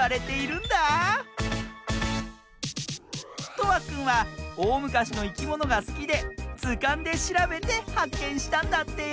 とわくんはおおむかしのいきものがすきでずかんでしらべてはっけんしたんだって！